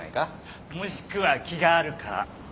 もしくは気があるかだな。